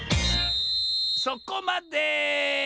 そこまで！